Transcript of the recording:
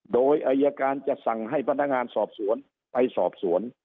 โดยอายการจะสั่งให้พนักงานสอบสวนไปสอบสวน